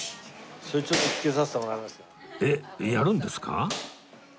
えっやるんですか？